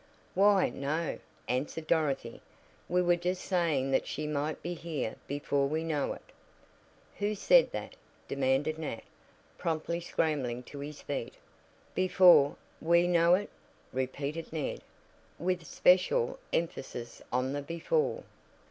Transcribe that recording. "Why, no," answered Dorothy, "We were just saying that she might be here before we know it " "Who said that?" demanded Nat, promptly scrambling to his feet. "Before we know it," repeated Ned, with special emphasis on the "before."